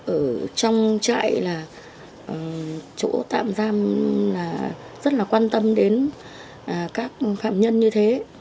ở trong trại là chỗ tạm giam là rất là quan tâm đến các phạm nhân như thế